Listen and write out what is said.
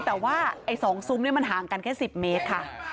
แต่ว่าไอ้๒ซุ้มมันห่างกันแค่๑๐เมตรค่ะ